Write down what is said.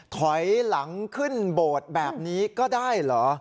ถอยหลังขึ้นโบสถ์แบบนี้ก็ได้เหรอ